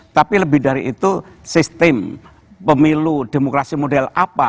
tapi lebih dari itu sistem pemilu demokrasi model apa